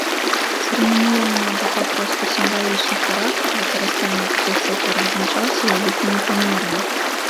Цырыманіяльны або папросту сімвалічны характар выкарыстання такіх сякер вызначаўся вялікімі памерамі.